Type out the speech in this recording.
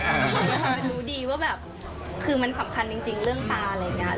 มันรู้ดีว่าแบบคือมันสำคัญจริงเรื่องตาอะไรอย่างนี้